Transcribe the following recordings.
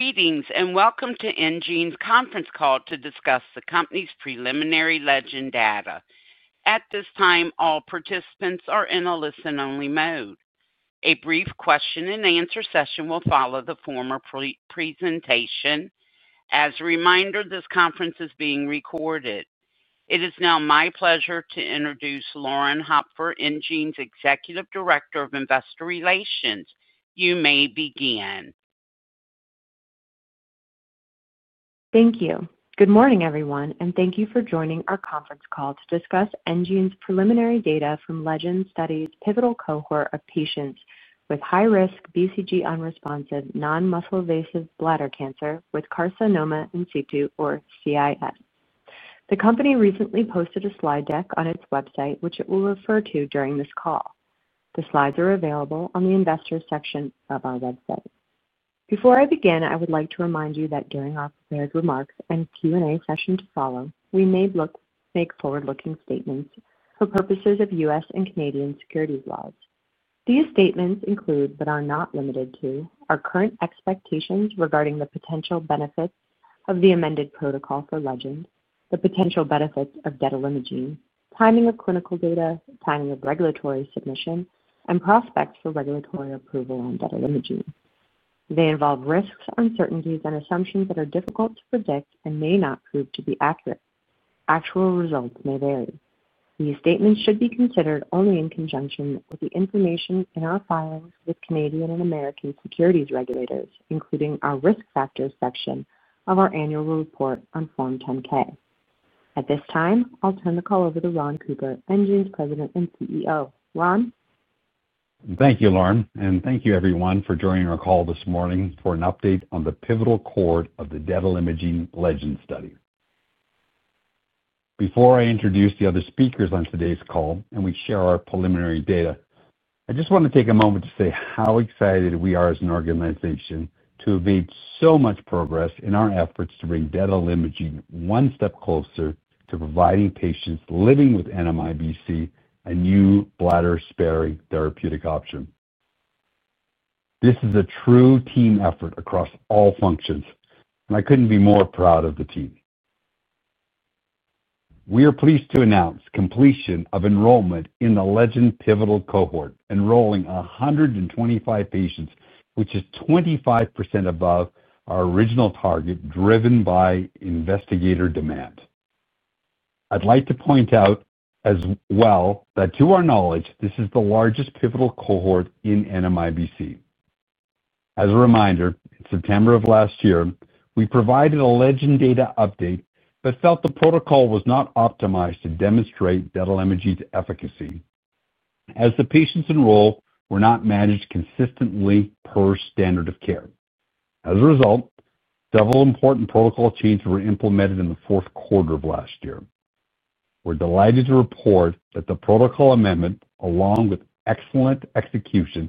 Greetings and welcome to enGene's conference call to discuss the company's preliminary LEGEND data. At this time, all participants are in a listen-only mode. A brief question-and-answer session will follow the formal presentation. As a reminder, this conference is being recorded. It is now my pleasure to introduce Lauren Hopfer, enGene's Executive Director of Investor Relations. You may begin. Thank you. Good morning, everyone, and thank you for joining our conference call to discuss enGene's preliminary data from LEGEND Study's Pivotal Cohort of patients with high-risk BCG unresponsive non-muscle invasive bladder cancer with carcinoma in situ, or CIS. The company recently posted a slide deck on its website, which it will refer to during this call. The slides are available on the investor section of our website. Before I begin, I would like to remind you that during our prepared remarks and Q&A session to follow, we may make forward-looking statements for purposes of U.S. and Canadian securities laws. These statements include, but are not limited to, our current expectations regarding the potential benefits of the amended protocol for LEGEND, the potential benefits of Detalimogene, timing of clinical data, timing of regulatory submission, and prospects for regulatory approval on Detalimogene. They involve risks, uncertainties, and assumptions that are difficult to predict and may not prove to be accurate. Actual results may vary. These statements should be considered only in conjunction with the information in our files with Canadian and American securities regulators, including our risk factors section of our annual report on Form 10-K. At this time, I'll turn the call over to Ron Cooper, enGene's President and CEO. Ron? Thank you, Lauren, and thank you, everyone, for joining our call this morning for an update on the Pivotal Cohort of the Detalimogene LEGEND Study. Before I introduce the other speakers on today's call and we share our preliminary data, I just want to take a moment to say how excited we are as an organization to have made so much progress in our efforts to bring Detalimogene one step closer to providing patients living with NMIBC a new bladder-sparing therapeutic option. This is a true team effort across all functions, and I couldn't be more proud of the team. We are pleased to announce completion of enrollment in the LEGEND Pivotal Cohort, enrolling 125 patients, which is 25% above our original target driven by investigator demand. I'd like to point out as well that to our knowledge, this is the largest pivotal cohort in NMIBC. As a reminder, in September of last year, we provided a LEGEND data update but felt the protocol was not optimized to demonstrate Detalimogene's efficacy as the patients enrolled were not managed consistently per standard of care. As a result, several important protocol changes were implemented in the fourth quarter of last year. We're delighted to report that the protocol amendment, along with excellent execution,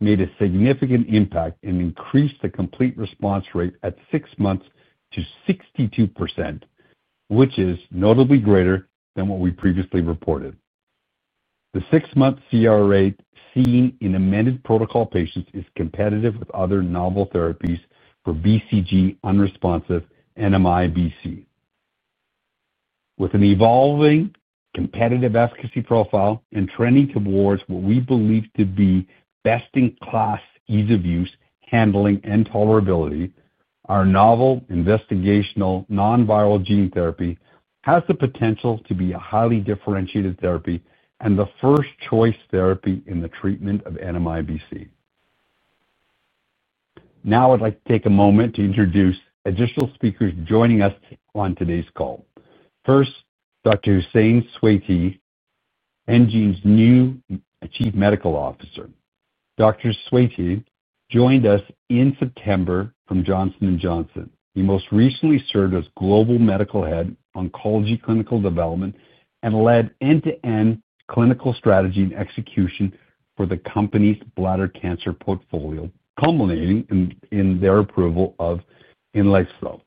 made a significant impact and increased the complete response rate at six months to 62%, which is notably greater than what we previously reported. The six-month CR rate seen in amended protocol patients is competitive with other novel therapies for BCG unresponsive NMIBC. With an evolving competitive efficacy profile and trending towards what we believe to be best-in-class ease of use, handling, and tolerability, our novel investigational non-viral gene therapy has the potential to be a highly differentiated therapy and the first-choice therapy in the treatment of NMIBC. Now, I'd like to take a moment to introduce additional speakers joining us on today's call. First, Dr. Hussein Sweiti, enGene's new Chief Medical Officer. Dr. Sweiti joined us in September from Johnson & Johnson. He most recently served as Global Medical Head Oncology Clinical Development and led end-to-end clinical strategy and execution for the company's bladder cancer portfolio, culminating in their approval of INLEXZO.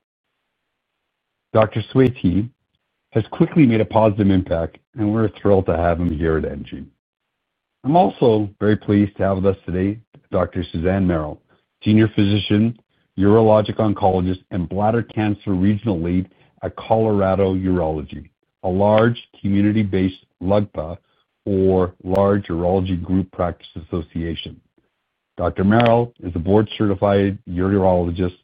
Dr. Sweiti has quickly made a positive impact, and we're thrilled to have him here at enGene. I'm also very pleased to have with us today Dr. Suzanne Merrill, Senior Physician, Urologic Oncologist and Bladder Cancer Regional Lead at Colorado Urology, a large community-based LUGPA, or Large Urology Group Practice Association. Dr. Merrill is a board-certified urologist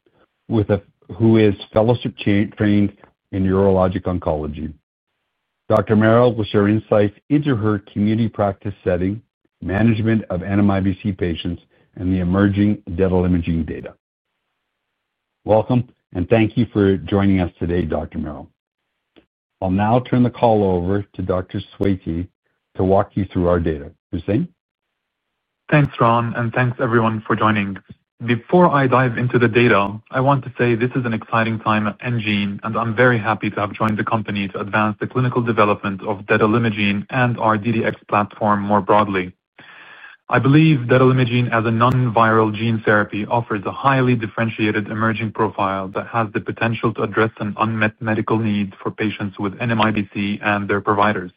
who is fellowship-trained in urologic oncology. Dr. Merrill will share insights into her community practice setting, management of NMIBC patients, and the emerging Detalimogene data. Welcome, and thank you for joining us today, Dr. Merrill. I'll now turn the call over to Dr. Sweiti to walk you through our data. Hussein? Thanks, Ron, and thanks, everyone, for joining. Before I dive into the data, I want to say this is an exciting time at enGene, and I'm very happy to have joined the company to advance the clinical development of Detalimogene and our Dually Derivatized Oligochitosan platform more broadly. I believe Detalimogene as a non-viral gene therapy offers a highly differentiated emerging profile that has the potential to address an unmet medical need for patients with NMIBC and their providers.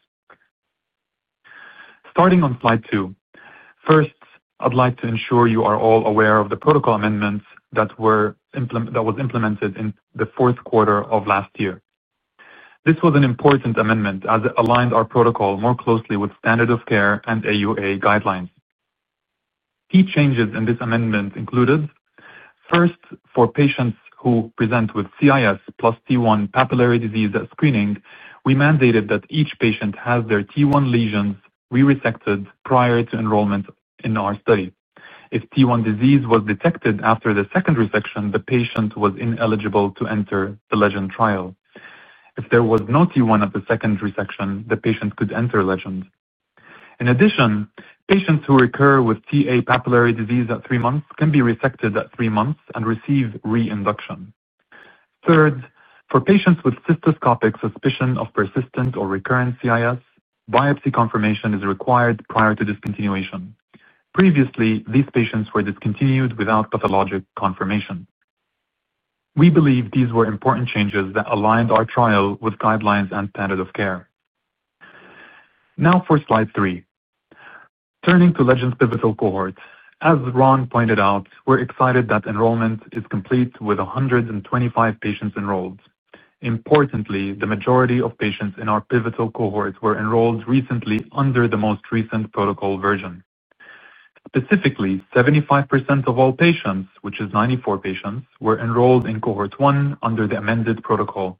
Starting on slide two, first, I'd like to ensure you are all aware of the protocol amendments that were implemented in the fourth quarter of last year. This was an important amendment as it aligned our protocol more closely with standard of care and AUA guidelines. Key changes in this amendment included, first, for patients who present with CIS plus T1 papillary disease at screening, we mandated that each patient have their T1 lesions re-resected prior to enrollment in our study. If T1 disease was detected after the second resection, the patient was ineligible to enter the LEGEND trial. If there was no T1 at the second resection, the patient could enter LEGEND. In addition, patients who recur with Ta papillary disease at three months can be resected at three months and receive re-induction. Third, for patients with cystoscopic suspicion of persistent or recurrent CIS, biopsy confirmation is required prior to discontinuation. Previously, these patients were discontinued without pathologic confirmation. We believe these were important changes that aligned our trial with guidelines and standard of care. Now, for slide three, turning to LEGEND's Pivotal Cohort. As Ron pointed out, we're excited that enrollment is complete with 125 patients enrolled. Importantly, the majority of patients in our pivotal cohort were enrolled recently under the most recent protocol version. Specifically, 75% of all patients, which is 94 patients, were enrolled in Cohort 1 under the amended protocol,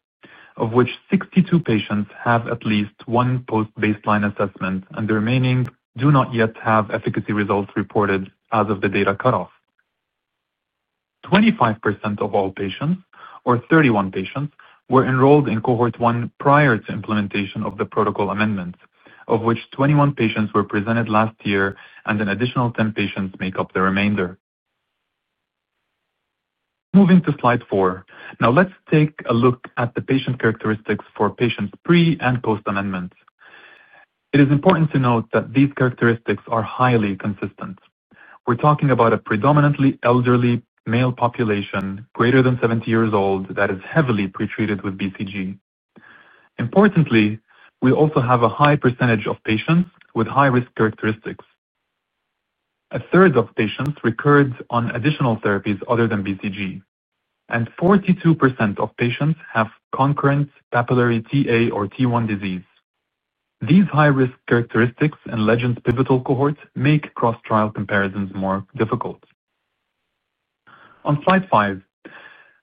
of which 62 patients have at least one post-baseline assessment, and the remaining do not yet have efficacy results reported as of the data cutoff. 25% of all patients, or 31 patients, were enrolled in Cohort 1 prior to implementation of the protocol amendments, of which 21 patients were presented last year, and an additional 10 patients make up the remainder. Moving to slide four, now let's take a look at the patient characteristics for patients pre and post-amendment. It is important to note that these characteristics are highly consistent. We're talking about a predominantly elderly male population greater than 70 years old that is heavily pretreated with BCG. Importantly, we also have a high percentage of patients with high-risk characteristics. A third of patients recurred on additional therapies other than BCG, and 42% of patients have concurrent papillary Ta or T1 disease. These high-risk characteristics in LEGEND Pivotal Cohort make cross-trial comparisons more difficult. On slide five,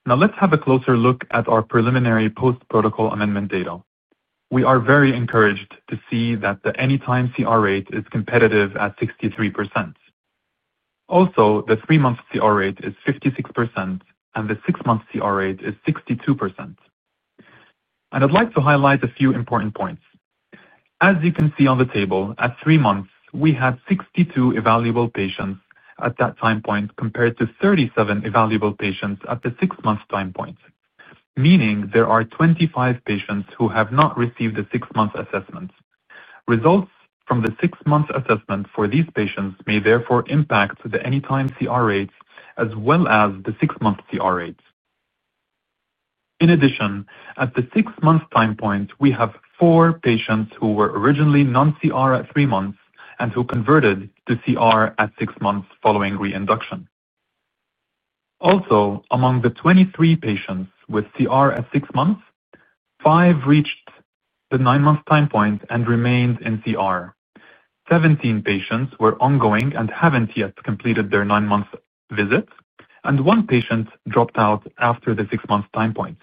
now let's have a closer look at our preliminary post-protocol amendment data. We are very encouraged to see that the anytime CR rate is competitive at 63%. Also, the three-month CR rate is 56%, and the six-month CR rate is 62%. I'd like to highlight a few important points. As you can see on the table, at three months, we had 62 evaluable patients at that time point compared to 37 evaluable patients at the six-month time point, meaning there are 25 patients who have not received the six-month assessment. Results from the six-month assessment for these patients may therefore impact the anytime CR rates as well as the six-month CR rates. In addition, at the six-month time point, we have four patients who were originally non-CR at three months and who converted to CR at six months following re-induction. Also, among the 23 patients with CR at six months, five reached the nine-month time point and remained in CR. Seventeen patients were ongoing and have not yet completed their nine-month visit, and one patient dropped out after the six-month time point.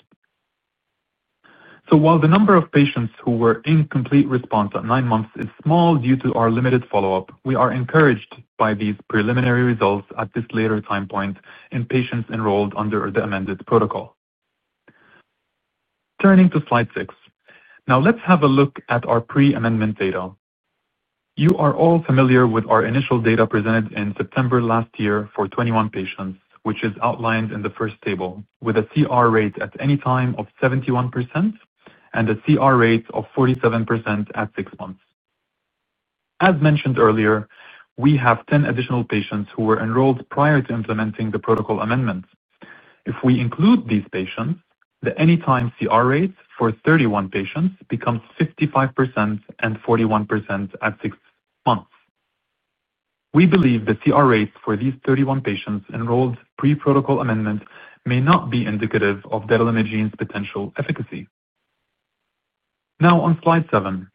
While the number of patients who were in complete response at nine months is small due to our limited follow-up, we are encouraged by these preliminary results at this later time point in patients enrolled under the amended protocol. Turning to slide six, now let's have a look at our pre-amendment data. You are all familiar with our initial data presented in September last year for 21 patients, which is outlined in the first table, with a CR rate at any time of 71% and a CR rate of 47% at six months. As mentioned earlier, we have 10 additional patients who were enrolled prior to implementing the protocol amendment. If we include these patients, the anytime CR rate for 31 patients becomes 55% and 41% at six months. We believe the CR rates for these 31 patients enrolled pre-protocol amendment may not be indicative of Detalimogene's potential efficacy. Now, on slide seven,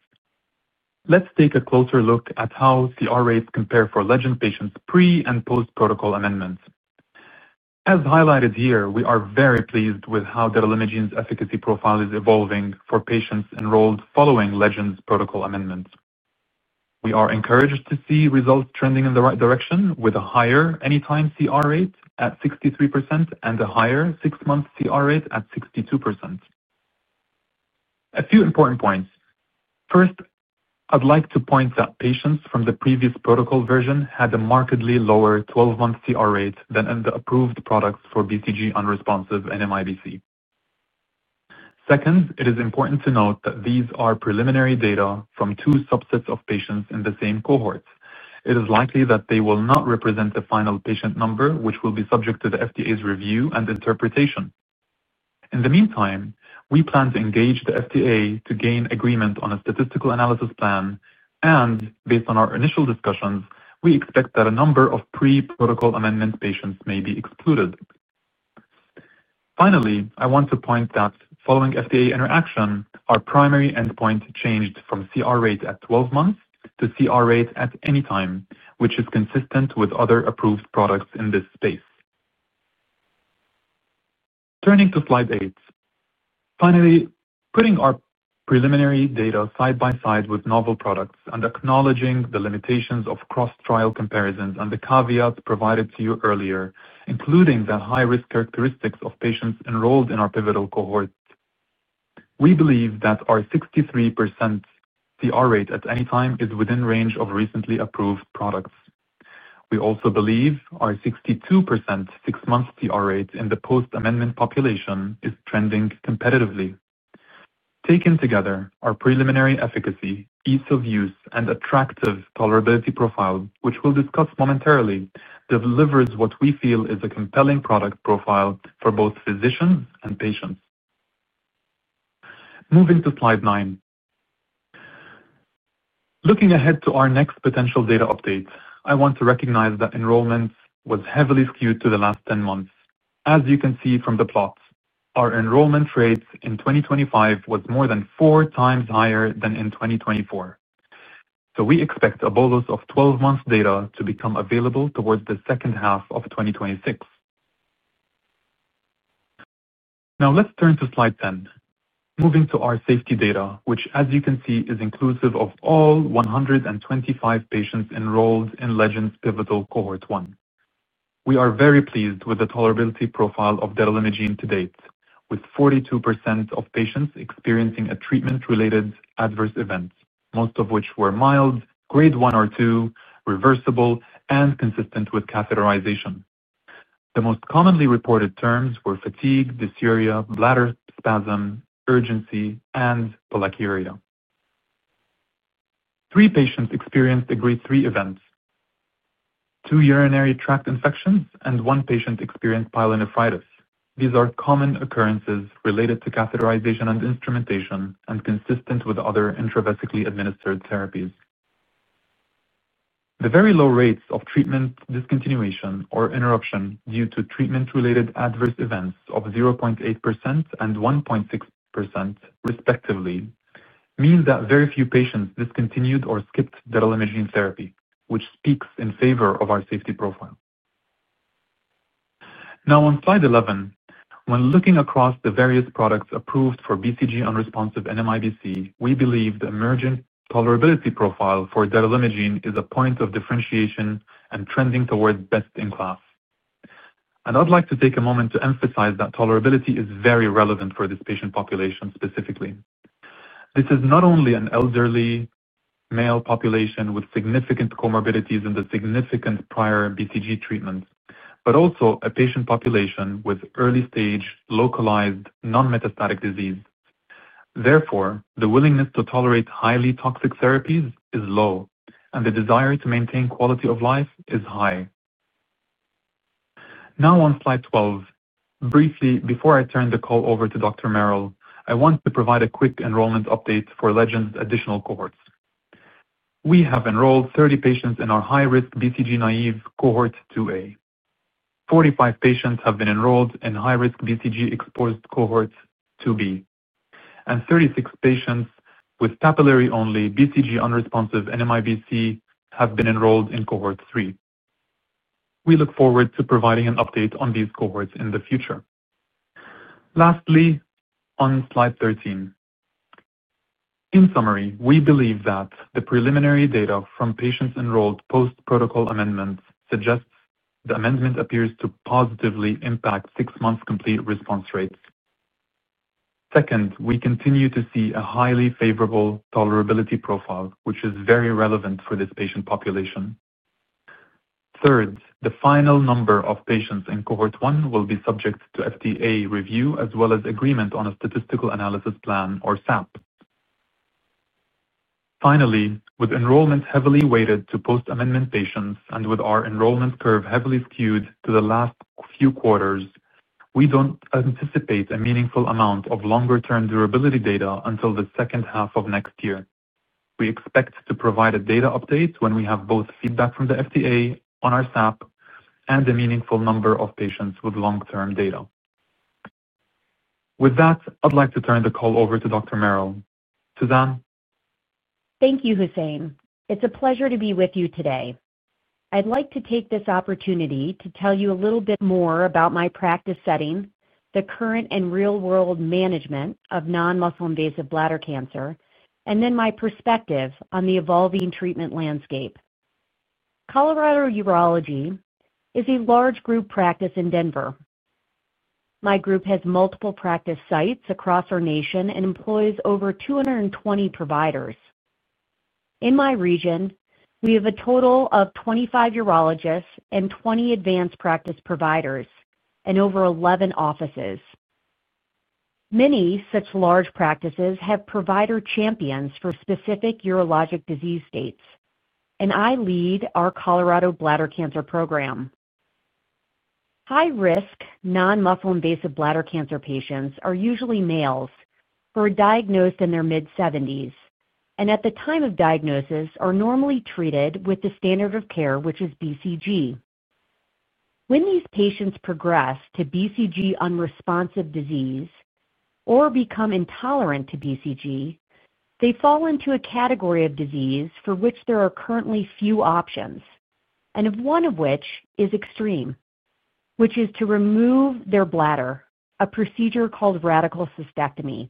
let's take a closer look at how CR rates compare for LEGEND patients pre and post-protocol amendments. As highlighted here, we are very pleased with how Detalimogene's efficacy profile is evolving for patients enrolled following LEGEND's protocol amendment. We are encouraged to see results trending in the right direction with a higher anytime CR rate at 63% and a higher six-month CR rate at 62%. A few important points. First, I'd like to point that patients from the previous protocol version had a markedly lower 12-month CR rate than in the approved products for BCG unresponsive NMIBC. Second, it is important to note that these are preliminary data from two subsets of patients in the same cohort. It is likely that they will not represent the final patient number, which will be subject to the FDA's review and interpretation. In the meantime, we plan to engage the FDA to gain agreement on a statistical analysis plan, and based on our initial discussions, we expect that a number of pre-protocol amendment patients may be excluded. Finally, I want to point that following FDA interaction, our primary endpoint changed from CR rate at 12 months to CR rate at any time, which is consistent with other approved products in this space. Turning to slide eight, finally, putting our preliminary data side by side with novel products and acknowledging the limitations of cross-trial comparisons and the caveats provided to you earlier, including the high-risk characteristics of patients enrolled in our pivotal cohort, we believe that our 63% CR rate at any time is within range of recently approved products. We also believe our 62% six-month CR rate in the post-amendment population is trending competitively. Taken together, our preliminary efficacy, ease of use, and attractive tolerability profile, which we'll discuss momentarily, delivers what we feel is a compelling product profile for both physicians and patients. Moving to slide nine. Looking ahead to our next potential data update, I want to recognize that enrollment was heavily skewed to the last 10 months. As you can see from the plot, our enrollment rate in 2025 was more than four times higher than in 2024. We expect a bolus of 12-month data to become available towards the second half of 2026. Now, let's turn to slide 10. Moving to our safety data, which, as you can see, is inclusive of all 125 patients enrolled in LEGEND Pivotal Cohort 1. We are very pleased with the tolerability profile of Detalimogene to date, with 42% of patients experiencing a treatment-related adverse event, most of which were mild, grade one or two, reversible, and consistent with catheterization. The most commonly reported terms were fatigue, dysuria, bladder spasm, urgency, and polyuria. Three patients experienced a grade three event, two urinary tract infections, and one patient experienced pyelonephritis. These are common occurrences related to catheterization and instrumentation and consistent with other intravesically administered therapies. The very low rates of treatment discontinuation or interruption due to treatment-related adverse events of 0.8% and 1.6%, respectively, mean that very few patients discontinued or skipped Detalimogene therapy, which speaks in favor of our safety profile. Now, on slide 11, when looking across the various products approved for BCG unresponsive NMIBC, we believe the emerging tolerability profile for Detalimogene is a point of differentiation and trending towards best in class. I would like to take a moment to emphasize that tolerability is very relevant for this patient population specifically. This is not only an elderly male population with significant comorbidities and the significant prior BCG treatment, but also a patient population with early-stage localized non-metastatic disease. Therefore, the willingness to tolerate highly toxic therapies is low, and the desire to maintain quality of life is high. Now, on slide 12, briefly, before I turn the call over to Dr. Merrill, I want to provide a quick enrollment update for LEGEND additional cohorts. We have enrolled 30 patients in our high-risk BCG naive cohort 2A. Forty-five patients have been enrolled in high-risk BCG-exposed cohort 2B, and 36 patients with papillary-only BCG unresponsive NMIBC have been enrolled in Cohort 3. We look forward to providing an update on these cohorts in the future. Lastly, on slide 13, in summary, we believe that the preliminary data from patients enrolled post-protocol amendments suggests the amendment appears to positively impact six-month complete response rates. Second, we continue to see a highly favorable tolerability profile, which is very relevant for this patient population. Third, the final number of patients in Cohort 1 will be subject to FDA review as well as agreement on a statistical analysis plan or SAP. Finally, with enrollment heavily weighted to post-amendment patients and with our enrollment curve heavily skewed to the last few quarters, we do not anticipate a meaningful amount of longer-term durability data until the second half of next year. We expect to provide a data update when we have both feedback from the FDA on our SAP and a meaningful number of patients with long-term data. With that, I'd like to turn the call over to Dr. Merrill. Suzanne. Thank you, Hussein. It's a pleasure to be with you today. I'd like to take this opportunity to tell you a little bit more about my practice setting, the current and real-world management of non-muscle-invasive bladder cancer, and then my perspective on the evolving treatment landscape. Colorado Urology is a large group practice in Denver. My group has multiple practice sites across our nation and employs over 220 providers. In my region, we have a total of 25 urologists and 20 advanced practice providers and over 11 offices. Many such large practices have provider champions for specific urologic disease states, and I lead our Colorado bladder cancer program. High-risk non-muscle-invasive bladder cancer patients are usually males who are diagnosed in their mid-70s and at the time of diagnosis are normally treated with the standard of care, which is BCG. When these patients progress to BCG unresponsive disease or become intolerant to BCG, they fall into a category of disease for which there are currently few options, and one of which is extreme, which is to remove their bladder, a procedure called radical cystectomy.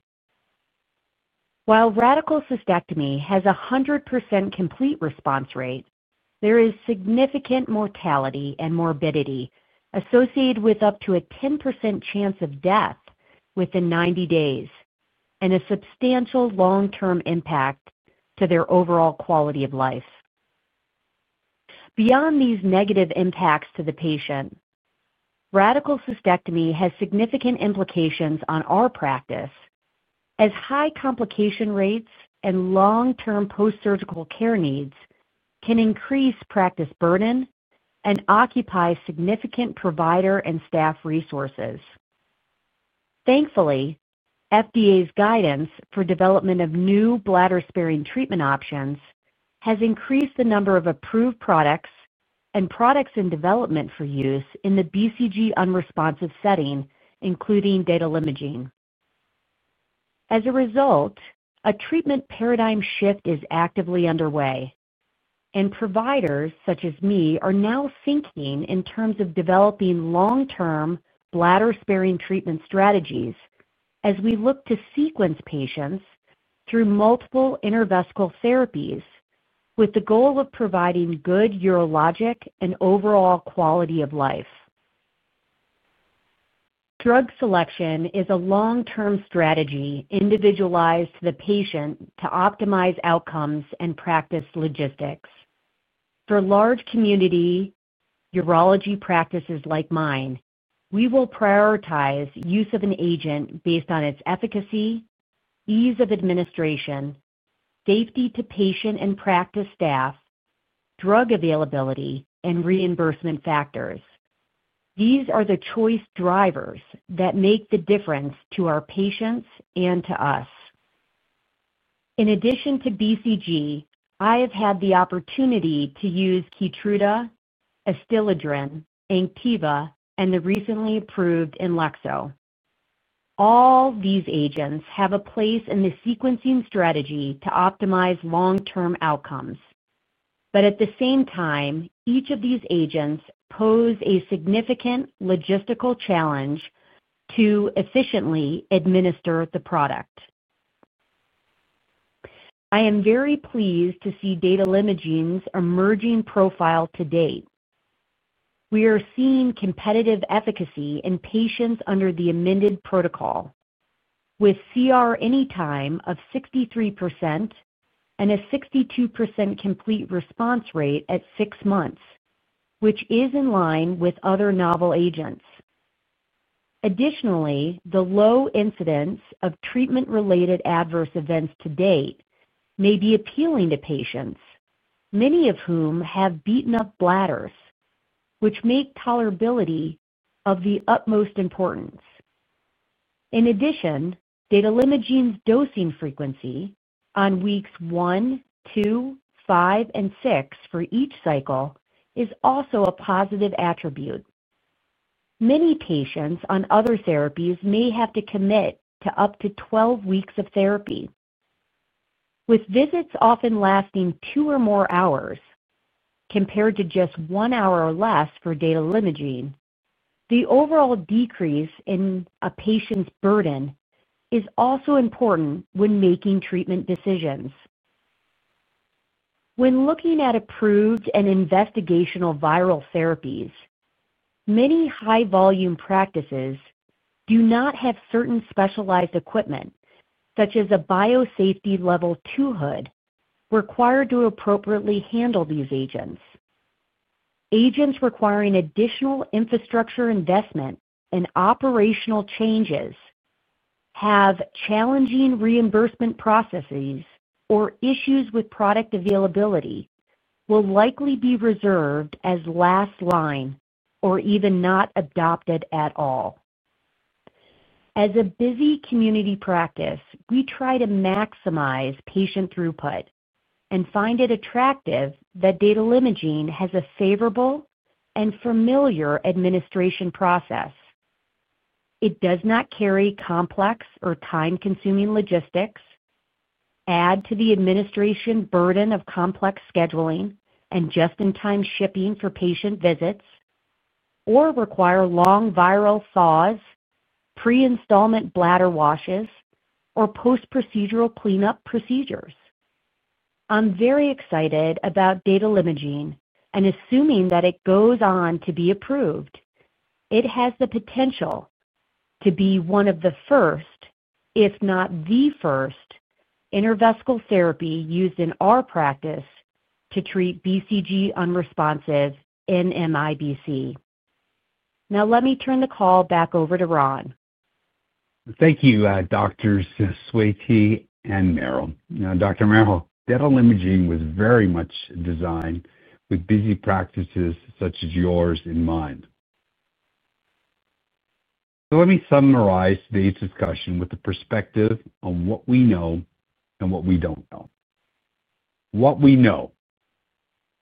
While radical cystectomy has a 100% complete response rate, there is significant mortality and morbidity associated with up to a 10% chance of death within 90 days and a substantial long-term impact to their overall quality of life. Beyond these negative impacts to the patient, radical cystectomy has significant implications on our practice as high complication rates and long-term post-surgical care needs can increase practice burden and occupy significant provider and staff resources. Thankfully, FDA's guidance for development of new bladder-sparing treatment options has increased the number of approved products and products in development for use in the BCG unresponsive setting, including Detalimogene. As a result, a treatment paradigm shift is actively underway, and providers such as me are now thinking in terms of developing long-term bladder-sparing treatment strategies as we look to sequence patients through multiple intravesical therapies with the goal of providing good urologic and overall quality of life. Drug selection is a long-term strategy individualized to the patient to optimize outcomes and practice logistics. For large community urology practices like mine, we will prioritize use of an agent based on its efficacy, ease of administration, safety to patient and practice staff, drug availability, and reimbursement factors. These are the choice drivers that make the difference to our patients and to us. In addition to BCG, I have had the opportunity to use Keytruda, Adstiladrin, Anktiva, and the recently approved INLEXZO. All these agents have a place in the sequencing strategy to optimize long-term outcomes, but at the same time, each of these agents poses a significant logistical challenge to efficiently administer the product. I am very pleased to see Detalimogene's emerging profile to date. We are seeing competitive efficacy in patients under the amended protocol with CR any time of 63% and a 62% complete response rate at six months, which is in line with other novel agents. Additionally, the low incidence of treatment-related adverse events to date may be appealing to patients, many of whom have beaten up bladders, which make tolerability of the utmost importance. In addition, Detalimogene's dosing frequency on weeks one, two, five, and six for each cycle is also a positive attribute. Many patients on other therapies may have to commit to up to 12 weeks of therapy. With visits often lasting two or more hours compared to just one hour or less for Detalimogene, the overall decrease in a patient's burden is also important when making treatment decisions. When looking at approved and investigational viral therapies, many high-volume practices do not have certain specialized equipment, such as a biosafety level two hood, required to appropriately handle these agents. Agents requiring additional infrastructure investment and operational changes that have challenging reimbursement processes or issues with product availability will likely be reserved as last line or even not adopted at all. As a busy community practice, we try to maximize patient throughput and find it attractive that Detalimogene has a favorable and familiar administration process. It does not carry complex or time-consuming logistics, add to the administration burden of complex scheduling and just-in-time shipping for patient visits, or require long viral soaks, pre-instillment bladder washes, or post-procedural cleanup procedures. I'm very excited about Detalimogene and assuming that it goes on to be approved. It has the potential to be one of the first, if not the first, intravesical therapy used in our practice to treat BCG unresponsive NMIBC. Now, let me turn the call back over to Ron. Thank you, Dr. Sweiti and Merrill. Now, Dr. Merrill, Detalimogene was very much designed with busy practices such as yours in mind. Let me summarize today's discussion with the perspective on what we know and what we don't know. What we know: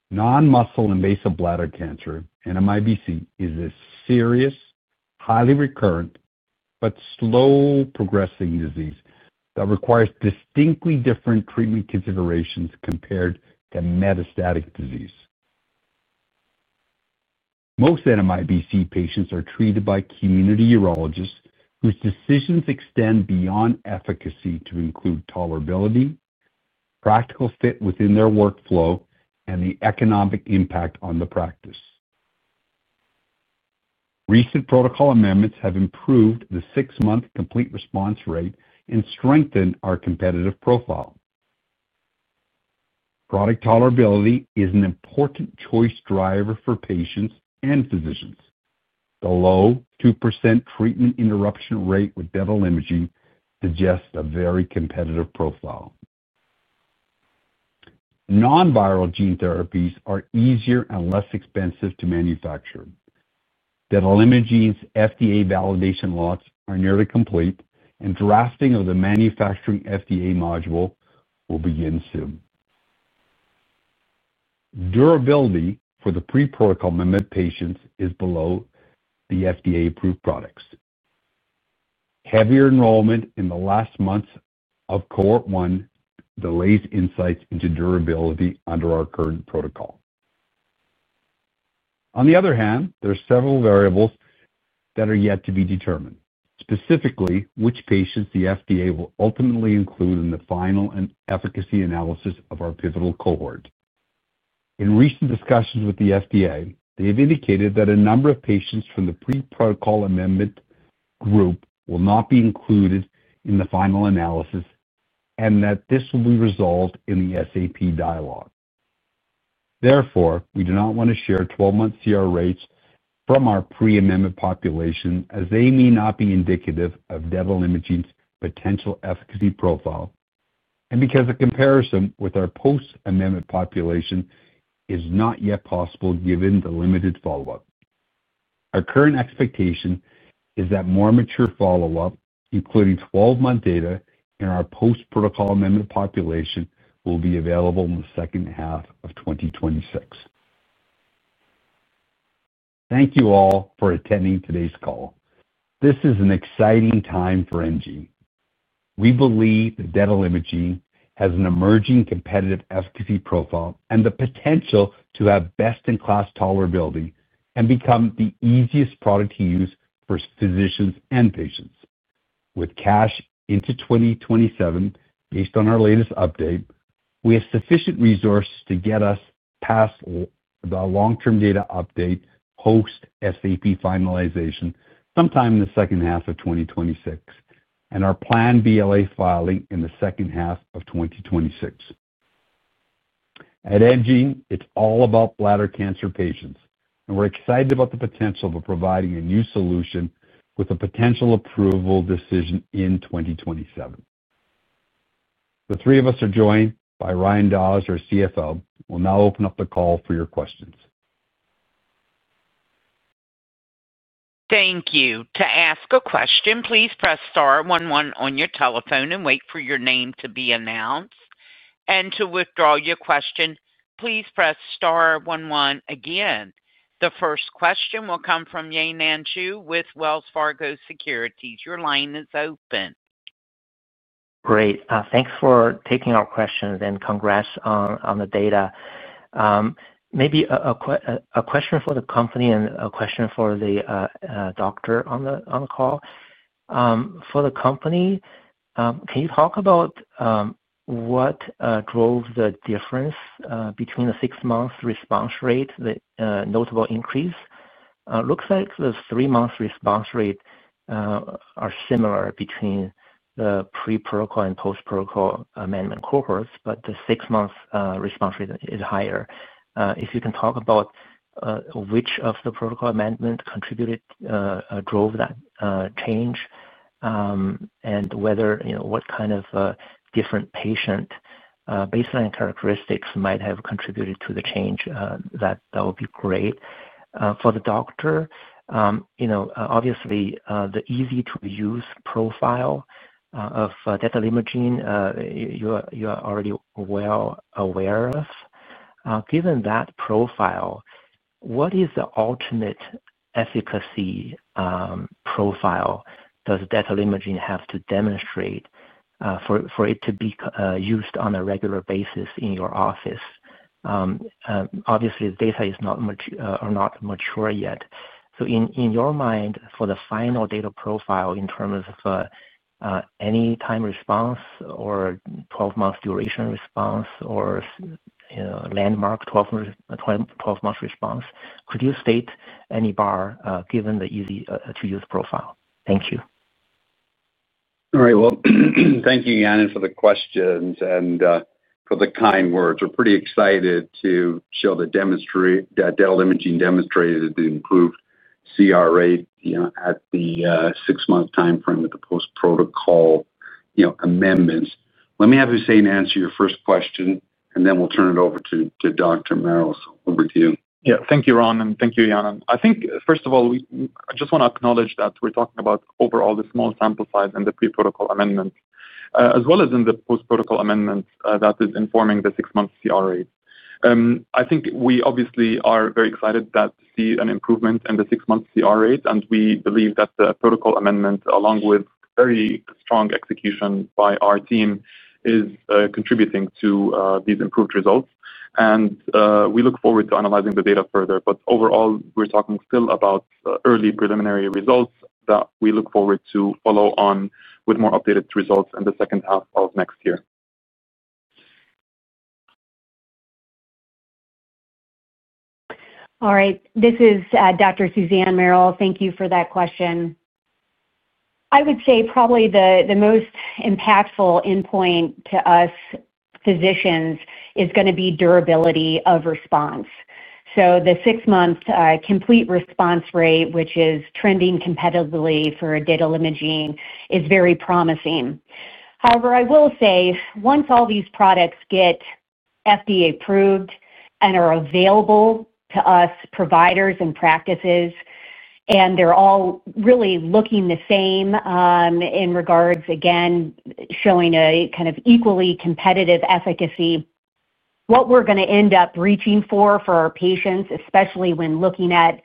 non-muscle-invasive bladder cancer NMIBC is a serious, highly recurrent, but slow-progressing disease that requires distinctly different treatment considerations compared to metastatic disease. Most NMIBC patients are treated by community urologists whose decisions extend beyond efficacy to include tolerability, practical fit within their workflow, and the economic impact on the practice. Recent protocol amendments have improved the six-month complete response rate and strengthened our competitive profile. Product tolerability is an important choice driver for patients and physicians. The low 2% treatment interruption rate with Detalimogene suggests a very competitive profile. Non-viral gene therapies are easier and less expensive to manufacture. Detalimogene's FDA validation lots are nearly complete, and drafting of the manufacturing FDA module will begin soon. Durability for the pre-protocol amended patients is below the FDA-approved products. Heavier enrollment in the last months of Cohort 1 delays insights into durability under our current protocol. On the other hand, there are several variables that are yet to be determined, specifically which patients the FDA will ultimately include in the final and efficacy analysis of our pivotal cohort. In recent discussions with the FDA, they have indicated that a number of patients from the pre-protocol amendment group will not be included in the final analysis and that this will be resolved in the SAP dialogue. Therefore, we do not want to share 12-month CR rates from our pre-amendment population as they may not be indicative of Detalimogene's potential efficacy profile and because a comparison with our post-amendment population is not yet possible given the limited follow-up. Our current expectation is that more mature follow-up, including 12-month data in our post-protocol amendment population, will be available in the second half of 2026. Thank you all for attending today's call. This is an exciting time for enGene. We believe that Detalimogene has an emerging competitive efficacy profile and the potential to have best-in-class tolerability and become the easiest product to use for physicians and patients. With cash into 2027, based on our latest update, we have sufficient resources to get us past the long-term data update post-SAP finalization sometime in the second half of 2026 and our planned BLA filing in the second half of 2026. At enGene, it's all about bladder cancer patients, and we're excited about the potential of providing a new solution with a potential approval decision in 2027. The three of us are joined by Ryan Daws, our CFO. We'll now open up the call for your questions. Thank you. To ask a question, please press star one one on your telephone and wait for your name to be announced. To withdraw your question, please press star one one again. The first question will come from Yanan Zhu with Wells Fargo Securities. Your line is open. Great. Thanks for taking our questions and congrats on the data. Maybe a question for the company and a question for the doctor on the call. For the company, can you talk about what drove the difference between the six-month response rate, the notable increase? It looks like the three-month response rates are similar between the pre-protocol and post-protocol amendment cohorts, but the six-month response rate is higher. If you can talk about which of the protocol amendments contributed, drove that change, and what kind of different patient baseline characteristics might have contributed to the change, that would be great. For the doctor, obviously, the easy-to-use profile of Detalimogene you are already well aware of. Given that profile, what is the ultimate efficacy profile does Detalimogene have to demonstrate for it to be used on a regular basis in your office? Obviously, the data is not mature yet. In your mind, for the final data profile in terms of any time response or 12-month duration response or landmark 12-month response, could you state any bar given the easy-to-use profile? Thank you. All right. Thank you, Yanan, for the questions and for the kind words. We're pretty excited to show that Detalimogene demonstrated an improved CR rate at the six-month timeframe with the post-protocol amendments. Let me have Hussein answer your first question, and then we'll turn it over to Dr. Merrill. Over to you. Yeah. Thank you, Ron, and thank you, Yanan. I think, first of all, I just want to acknowledge that we're talking about overall the small sample size and the pre-protocol amendments, as well as in the post-protocol amendments that are informing the six-month CR rate. I think we obviously are very excited to see an improvement in the six-month CR rate, and we believe that the protocol amendment, along with very strong execution by our team, is contributing to these improved results. We look forward to analyzing the data further. Overall, we're talking still about early preliminary results that we look forward to follow on with more updated results in the second half of next year. All right. This is Dr. Suzanne Merrill. Thank you for that question. I would say probably the most impactful endpoint to us physicians is going to be durability of response. The six-month complete response rate, which is trending competitively for Detalimogene, is very promising. However, I will say once all these products get FDA-approved and are available to us providers and practices, and they're all really looking the same in regards, again, showing a kind of equally competitive efficacy, what we're going to end up reaching for for our patients, especially when looking at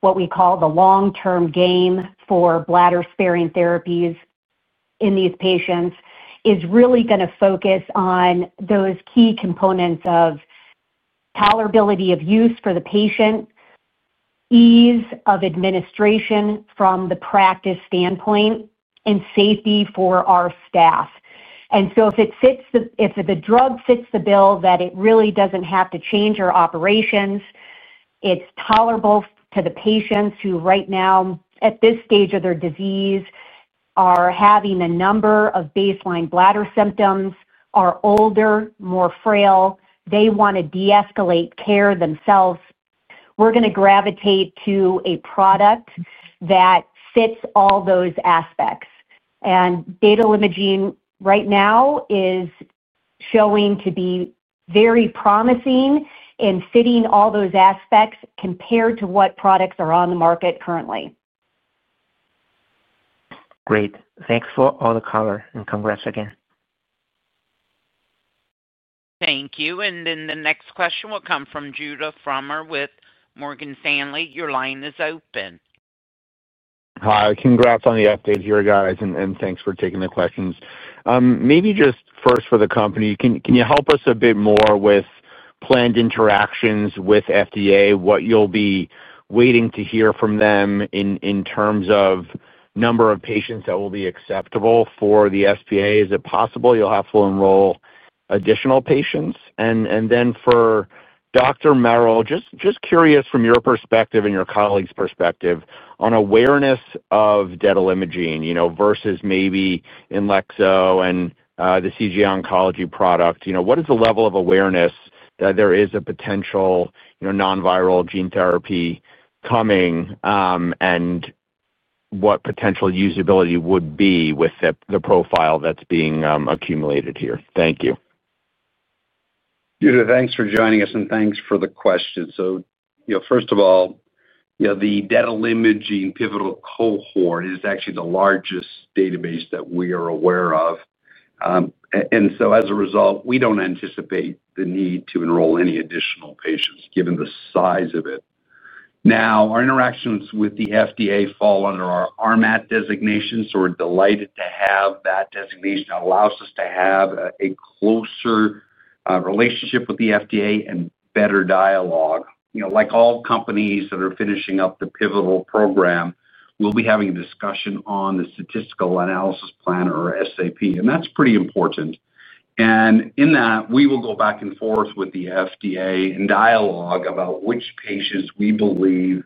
what we call the long-term game for bladder-sparing therapies in these patients, is really going to focus on those key components of tolerability of use for the patient, ease of administration from the practice standpoint, and safety for our staff. If the drug fits the bill, that it really doesn't have to change our operations, it's tolerable to the patients who right now, at this stage of their disease, are having a number of baseline bladder symptoms, are older, more frail. They want to de-escalate care themselves. We're going to gravitate to a product that fits all those aspects. And Detalimogene right now is showing to be very promising in fitting all those aspects compared to what products are on the market currently. Great. Thanks for all the color, and congrats again. Thank you. The next question will come from Judah Frommer with Morgan Stanley. Your line is open. Hi. Congrats on the update here, guys, and thanks for taking the questions. Maybe just first for the company, can you help us a bit more with planned interactions with FDA, what you'll be waiting to hear from them in terms of number of patients that will be acceptable for the SPA? Is it possible you'll have to enroll additional patients? For Dr. Merrill, just curious from your perspective and your colleague's perspective on awareness of Detalimogene versus maybe INLEXZO and the CG Oncology product, what is the level of awareness that there is a potential non-viral gene therapy coming, and what potential usability would be with the profile that's being accumulated here? Thank you. Judah, thanks for joining us, and thanks for the question. First of all, the Detalimogene Pivotal Cohort is actually the largest database that we are aware of. As a result, we don't anticipate the need to enroll any additional patients given the size of it. Our interactions with the FDA fall under our RMAT designation, so we're delighted to have that designation. It allows us to have a closer relationship with the FDA and better dialogue. Like all companies that are finishing up the pivotal program, we'll be having a discussion on the statistical analysis plan or SAP, and that's pretty important. In that, we will go back and forth with the FDA in dialogue about which patients we believe are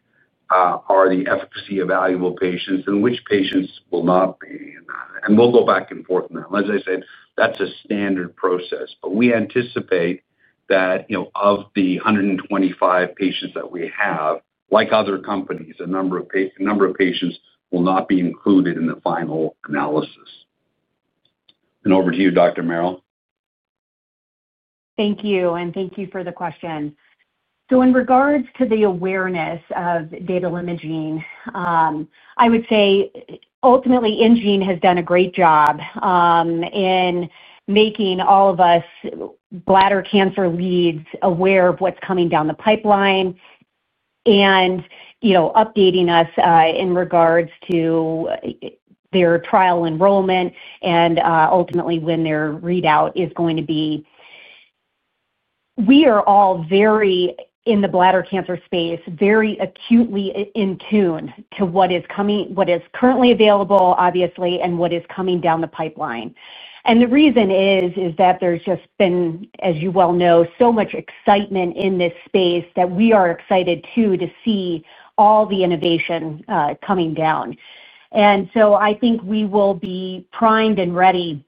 the efficacy-available patients and which patients will not be. We'll go back and forth on that. As I said, that's a standard process. We anticipate that of the 125 patients that we have, like other companies, a number of patients will not be included in the final analysis. Over to you, Dr. Merrill. Thank you. Thank you for the question. In regards to the awareness of Detalimogene, I would say ultimately enGene has done a great job in making all of us bladder cancer leads aware of what's coming down the pipeline and updating us in regards to their trial enrollment and ultimately when their readout is going to be. We are all, in the bladder cancer space, very acutely in tune to what is currently available, obviously, and what is coming down the pipeline. The reason is that there's just been, as you well know, so much excitement in this space that we are excited too to see all the innovation coming down. I think we will be primed and ready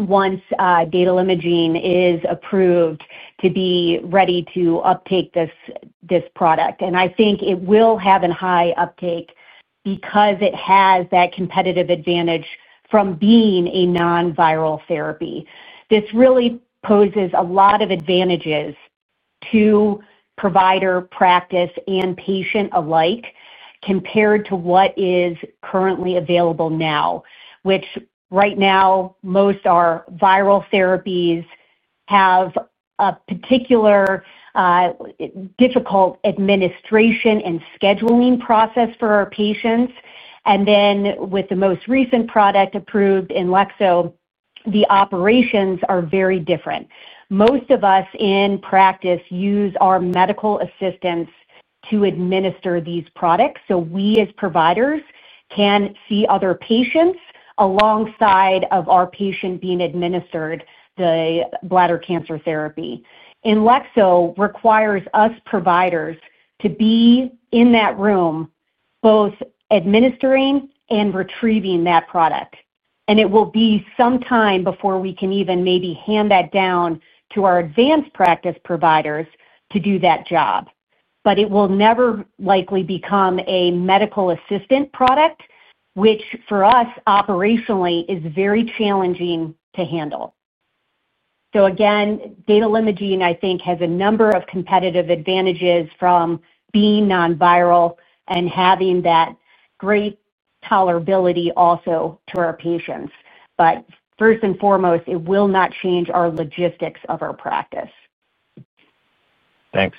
once Detalimogene is approved to be ready to uptake this product. I think it will have a high uptake because it has that competitive advantage from being a non-viral therapy. This really poses a lot of advantages to provider, practice, and patient alike compared to what is currently available now, which right now most of our viral therapies have a particularly difficult administration and scheduling process for our patients. With the most recent product approved, INLEXZO, the operations are very different. Most of us in practice use our medical assistants to administer these products so we as providers can see other patients alongside our patient being administered the bladder cancer therapy. INLEXZO requires us providers to be in that room both administering and retrieving that product. It will be some time before we can even maybe hand that down to our advanced practice providers to do that job. It will never likely become a medical assistant product, which for us operationally is very challenging to handle. Again, Detalimogene, I think, has a number of competitive advantages from being non-viral and having that great tolerability also to our patients. First and foremost, it will not change our logistics of our practice. Thanks.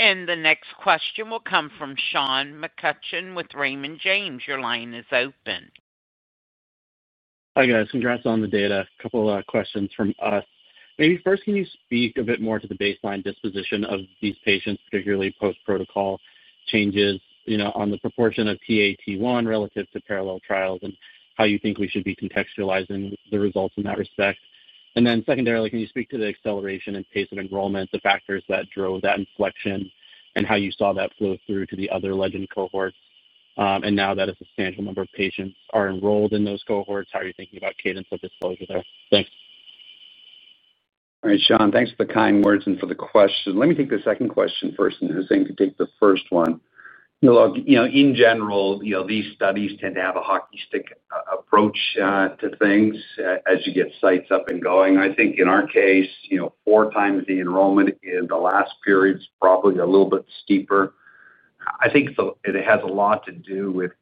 The next question will come from Sean McCutcheon with Raymond James. Your line is open. Hi, guys. Congrats on the data. A couple of questions from us. Maybe first, can you speak a bit more to the baseline disposition of these patients, particularly post-protocol changes on the proportion of Ta/T1 relative to parallel trials and how you think we should be contextualizing the results in that respect? Secondarily, can you speak to the acceleration and pace of enrollment, the factors that drove that inflection, and how you saw that flow through to the other LEGEND cohorts? Now that a substantial number of patients are enrolled in those cohorts, how are you thinking about cadence of disclosure there? Thanks. All right. Sean, thanks for the kind words and for the question. Let me take the second question first, and Hussein can take the first one. In general, these studies tend to have a hockey stick approach to things as you get sites up and going. I think in our case, four times the enrollment in the last period is probably a little bit steeper. I think it has a lot to do with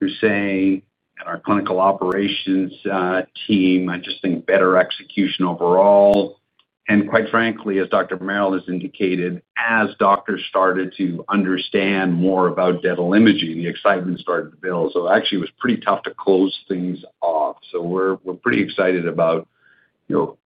Hussein and our clinical operations team. I just think better execution overall. Quite frankly, as Dr. Merrill has indicated, as doctors started to understand more about Detalimogene, the excitement started to build. It was pretty tough to close things off. We are pretty excited about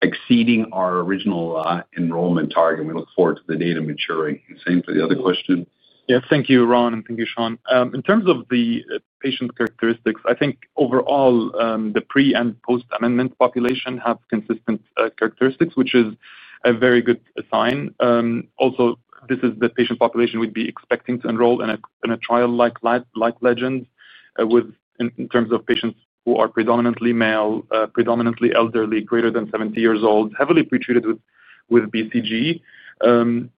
exceeding our original enrollment target. We look forward to the data maturing. Hussain, for the other question. Yeah. Thank you, Ron, and thank you, Sean. In terms of the patient characteristics, I think overall the pre and post-amendment population have consistent characteristics, which is a very good sign. Also, this is the patient population we'd be expecting to enroll in a trial like LEGEND in terms of patients who are predominantly male, predominantly elderly, greater than 70 years old, heavily pretreated with BCG.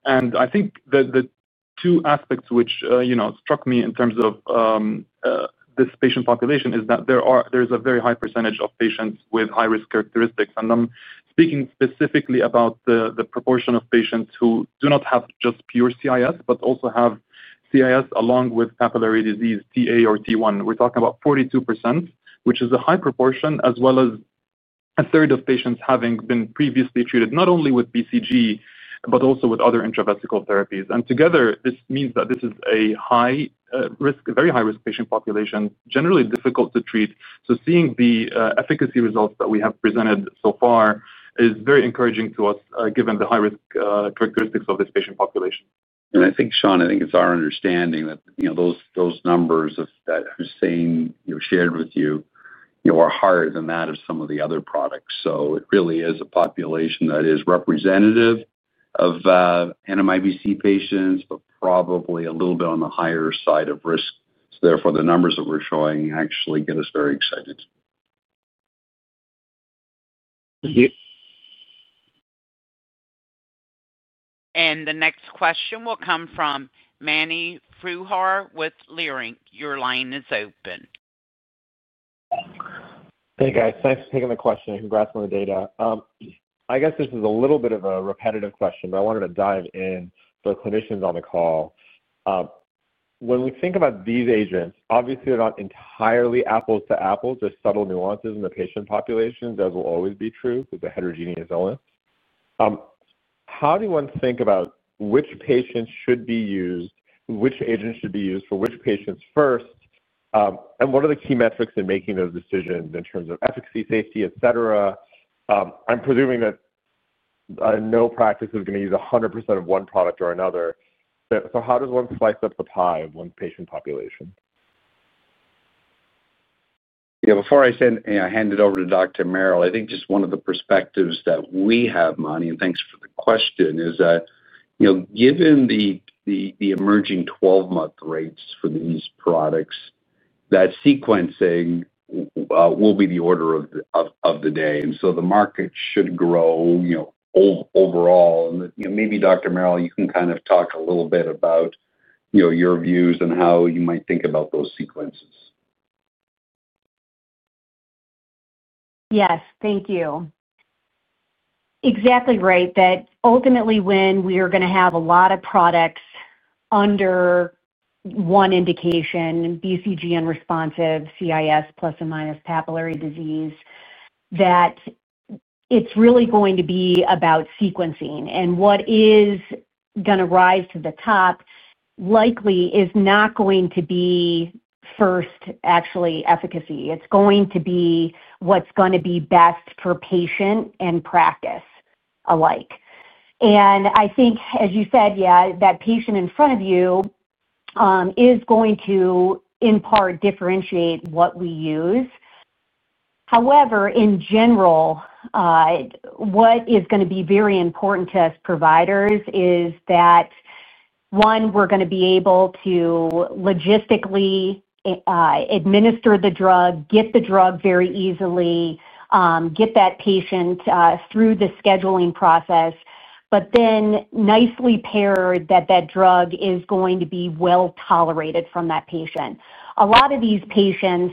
I think the two aspects which struck me in terms of this patient population is that there is a very high percentage of patients with high-risk characteristics. I'm speaking specifically about the proportion of patients who do not have just pure CIS, but also have CIS along with papillary disease, Ta or T1. We're talking about 42%, which is a high proportion, as well as a third of patients having been previously treated not only with BCG, but also with other intravesical therapies. Together, this means that this is a very high-risk patient population, generally difficult to treat. Seeing the efficacy results that we have presented so far is very encouraging to us given the high-risk characteristics of this patient population. I think, Sean, I think it's our understanding that those numbers that Hussein shared with you are higher than that of some of the other products. It really is a population that is representative of NMIBC patients, but probably a little bit on the higher side of risk. Therefore, the numbers that we're showing actually get us very excited. Thank you. The next question will come from Mani Foroohar with Leerink. Your line is open. Hey, guys. Thanks for taking the question. Congrats on the data. I guess this is a little bit of a repetitive question, but I wanted to dive in for the clinicians on the call. When we think about these agents, obviously, they're not entirely apples to apples. There are subtle nuances in the patient population, as will always be true. It's a heterogeneous illness. How do you want to think about which patients should be used, which agents should be used for which patients first, and what are the key metrics in making those decisions in terms of efficacy, safety, etc.? I'm presuming that no practice is going to use 100% of one product or another. How does one slice up the pie of one's patient population? Yeah. Before I hand it over to Dr. Merrill, I think just one of the perspectives that we have, Mani, and thanks for the question, is that given the emerging 12-month rates for these products, that sequencing will be the order of the day. The market should grow overall. Maybe Dr. Merrill, you can kind of talk a little bit about your views and how you might think about those sequences. Yes. Thank you. Exactly right. That ultimately, when we are going to have a lot of products under one indication, BCG unresponsive, CIS plus and minus papillary disease, that it's really going to be about sequencing. What is going to rise to the top likely is not going to be first, actually, efficacy. It's going to be what's going to be best for patient and practice alike. I think, as you said, yeah, that patient in front of you is going to, in part, differentiate what we use. However, in general, what is going to be very important to us providers is that, one, we're going to be able to logistically administer the drug, get the drug very easily, get that patient through the scheduling process, but then nicely pair that that drug is going to be well tolerated from that patient. A lot of these patients,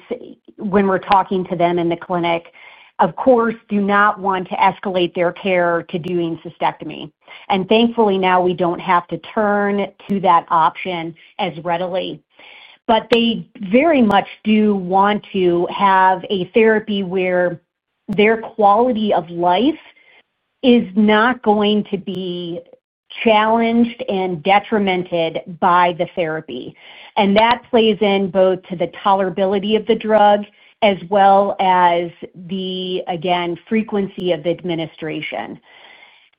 when we're talking to them in the clinic, of course, do not want to escalate their care to doing cystectomy. Thankfully, now we do not have to turn to that option as readily. They very much do want to have a therapy where their quality of life is not going to be challenged and detrimented by the therapy. That plays in both to the tolerability of the drug as well as the, again, frequency of administration.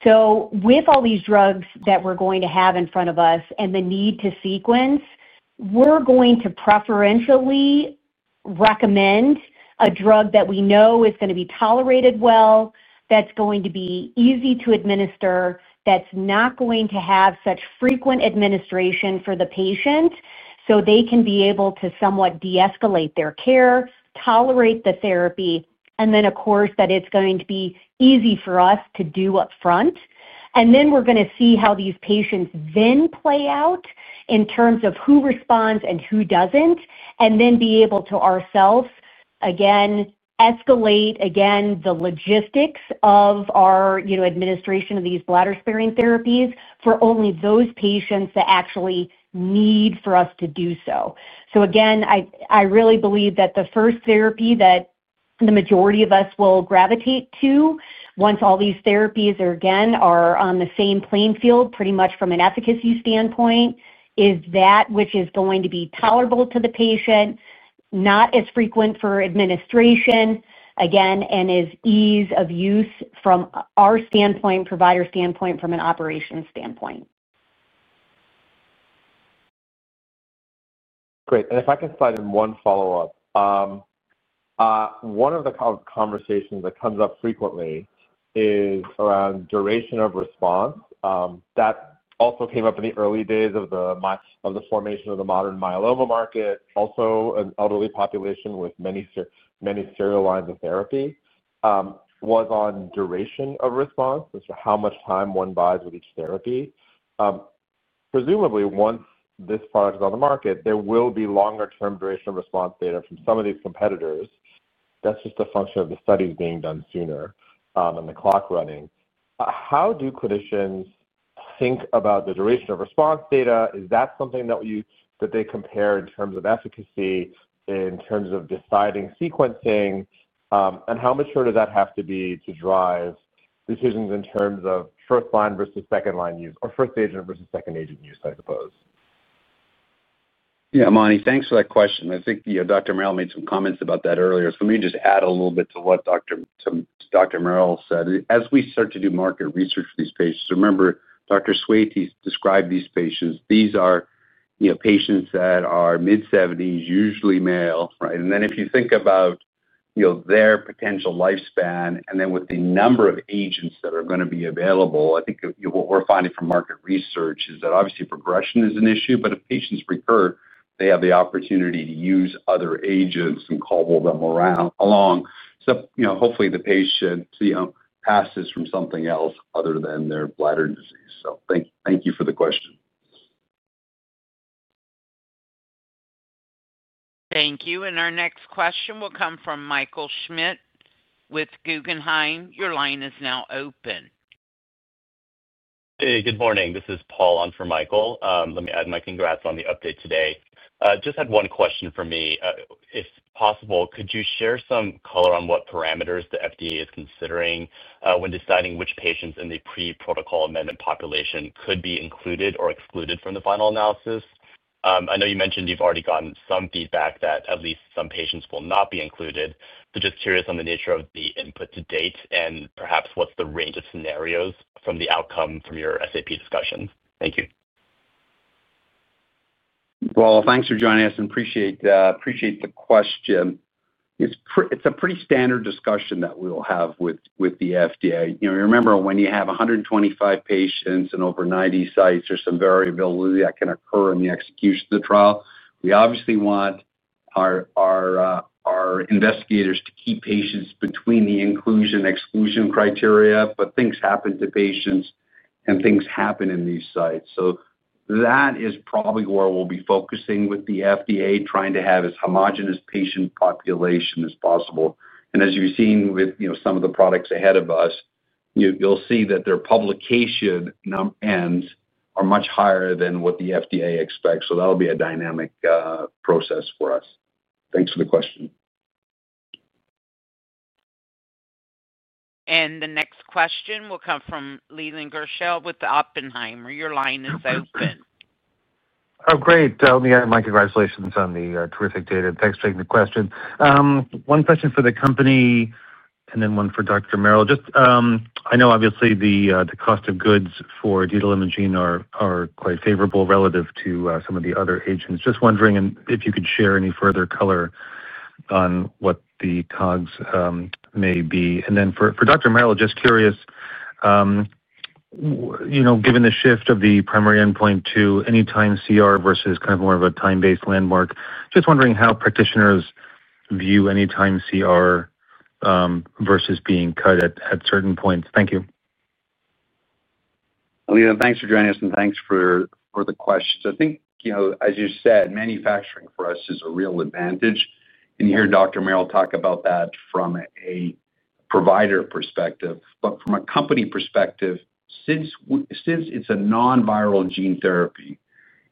With all these drugs that we're going to have in front of us and the need to sequence, we're going to preferentially recommend a drug that we know is going to be tolerated well, that's going to be easy to administer, that's not going to have such frequent administration for the patient so they can be able to somewhat de-escalate their care, tolerate the therapy, and then, of course, that it's going to be easy for us to do upfront. We're going to see how these patients then play out in terms of who responds and who doesn't, and then be able to ourselves, again, escalate again the logistics of our administration of these bladder-sparing therapies for only those patients that actually need for us to do so. I really believe that the first therapy that the majority of us will gravitate to once all these therapies, again, are on the same playing field pretty much from an efficacy standpoint, is that which is going to be tolerable to the patient, not as frequent for administration, again, and is ease of use from our standpoint, provider standpoint, from an operation standpoint. Great. If I can slide in one follow-up, one of the conversations that comes up frequently is around duration of response. That also came up in the early days of the formation of the modern myeloma market. Also, an elderly population with many serial lines of therapy was on duration of response, as to how much time one buys with each therapy. Presumably, once this product is on the market, there will be longer-term duration of response data from some of these competitors. That's just a function of the studies being done sooner and the clock running. How do clinicians think about the duration of response data? Is that something that they compare in terms of efficacy, in terms of deciding sequencing? How mature does that have to be to drive decisions in terms of first-line versus second-line use or first agent versus second-agent use, I suppose? Yeah. Mani, thanks for that question. I think Dr. Merrill made some comments about that earlier. Let me just add a little bit to what Dr. Merrill said. As we start to do market research for these patients, remember, Dr. Sweiti described these patients. These are patients that are mid-70s, usually male, right? If you think about their potential lifespan and then with the number of agents that are going to be available, I think what we're finding from market research is that obviously progression is an issue, but if patients recur, they have the opportunity to use other agents and cobble them along. Hopefully, the patient passes from something else other than their bladder disease. Thank you for the question. Thank you. Our next question will come from Michael Schmidt with Guggenheim. Your line is now open. Hey, good morning. This is Paul on for Michael. Let me add my congrats on the update today. Just had one question for me. If possible, could you share some color on what parameters the FDA is considering when deciding which patients in the pre-protocol amendment population could be included or excluded from the final analysis? I know you mentioned you've already gotten some feedback that at least some patients will not be included. Just curious on the nature of the input to date and perhaps what's the range of scenarios from the outcome from your SAP discussions. Thank you. Thanks for joining us and appreciate the question. It's a pretty standard discussion that we will have with the FDA. Remember, when you have 125 patients and over 90 sites, there's some variability that can occur in the execution of the trial. We obviously want our investigators to keep patients between the inclusion/exclusion criteria, but things happen to patients and things happen in these sites. That is probably where we'll be focusing with the FDA, trying to have as homogenous a patient population as possible. As you've seen with some of the products ahead of us, you'll see that their publication ends are much higher than what the FDA expects. That'll be a dynamic process for us. Thanks for the question. The next question will come from Leland Gershell with Oppenheimer. Your line is open. Oh, great. Let me add my congratulations on the terrific data. Thanks for taking the question. One question for the company and then one for Dr. Merrill. I know, obviously, the cost of goods for Detalimogene are quite favorable relative to some of the other agents. Just wondering if you could share any further color on what the COGS may be. For Dr. Merrill, just curious, given the shift of the primary endpoint to anytime CR versus kind of more of a time-based landmark, just wondering how practitioners view anytime CR versus being cut at certain points. Thank you. Leland, thanks for joining us and thanks for the questions. I think, as you said, manufacturing for us is a real advantage. You hear Dr. Merrill talk about that from a provider perspective. From a company perspective, since it is a non-viral gene therapy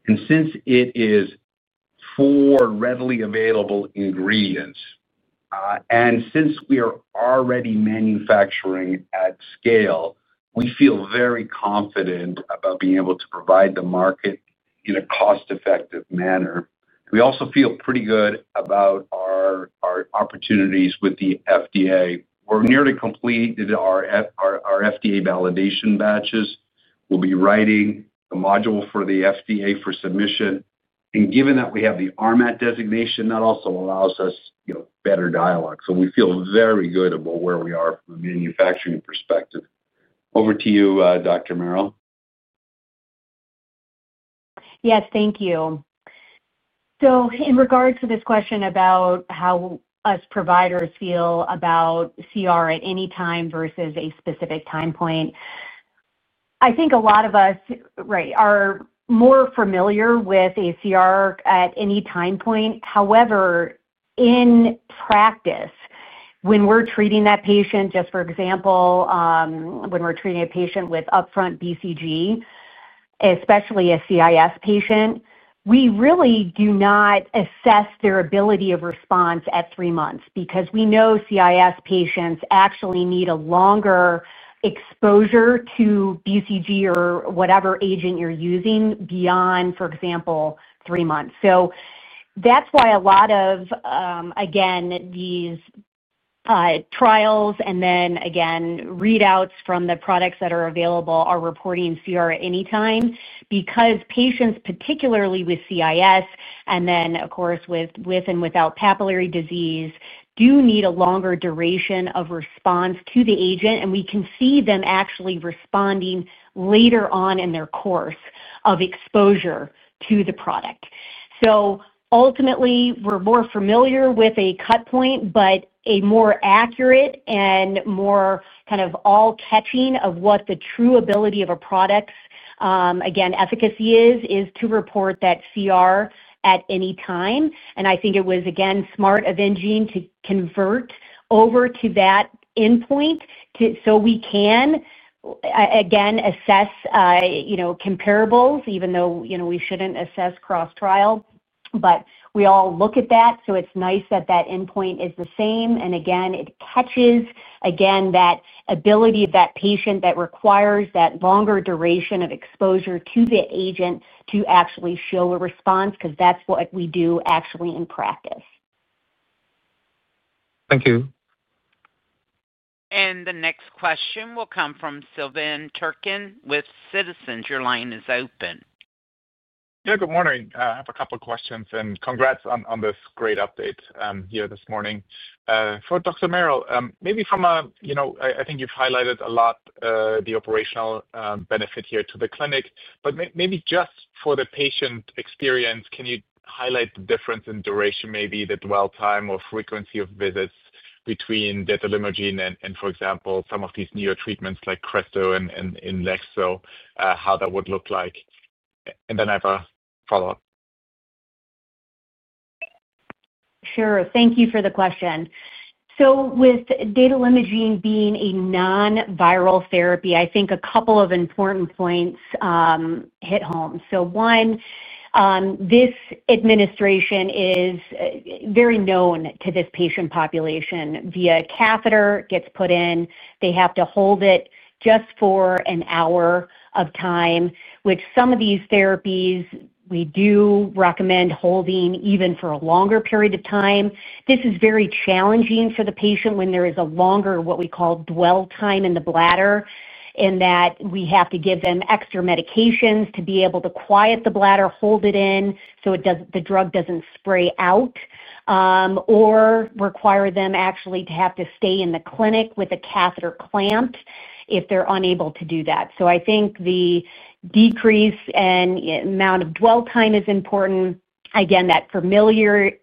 and since it is four readily available ingredients and since we are already manufacturing at scale, we feel very confident about being able to provide the market in a cost-effective manner. We also feel pretty good about our opportunities with the FDA. We are nearly complete with our FDA validation batches. We will be writing a module for the FDA for submission. Given that we have the RMAT designation, that also allows us better dialogue. We feel very good about where we are from a manufacturing perspective. Over to you, Dr. Merrill. Yes. Thank you. In regards to this question about how us providers feel about CR at any time versus a specific time point, I think a lot of us, right, are more familiar with a CR at any time point. However, in practice, when we're treating that patient, just for example, when we're treating a patient with upfront BCG, especially a CIS patient, we really do not assess their ability of response at three months because we know CIS patients actually need a longer exposure to BCG or whatever agent you're using beyond, for example, three months. That's why a lot of, again, these trials and then, again, readouts from the products that are available are reporting CR at any time because patients, particularly with CIS and then, of course, with and without papillary disease, do need a longer duration of response to the agent. We can see them actually responding later on in their course of exposure to the product. Ultimately, we're more familiar with a cut point, but a more accurate and more kind of all-catching of what the true ability of a product's, again, efficacy is, is to report that CR at any time. I think it was, again, smart of enGene to convert over to that endpoint so we can, again, assess comparables, even though we shouldn't assess cross-trial. We all look at that. It's nice that that endpoint is the same. Again, it catches, again, that ability of that patient that requires that longer duration of exposure to the agent to actually show a response because that's what we do actually in practice. Thank you. The next question will come from Silvan Türkcan with Citizens. Your line is open. Yeah. Good morning. I have a couple of questions and congrats on this great update here this morning. For Dr. Merrill, maybe from a—I think you've highlighted a lot the operational benefit here to the clinic. Maybe just for the patient experience, can you highlight the difference in duration, maybe the dwell time or frequency of visits between Detalimogene and, for example, some of these newer treatments like Cretostimogene and INLEXZO, how that would look like? I have a follow-up. Sure. Thank you for the question. With Detalimogene being a non-viral therapy, I think a couple of important points hit home. One, this administration is very known to this patient population. Via a catheter gets put in. They have to hold it just for an hour of time, which some of these therapies we do recommend holding even for a longer period of time. This is very challenging for the patient when there is a longer, what we call, dwell time in the bladder in that we have to give them extra medications to be able to quiet the bladder, hold it in so the drug does not spray out, or require them actually to have to stay in the clinic with a catheter clamped if they are unable to do that. I think the decrease in the amount of dwell time is important. Again, that familiarity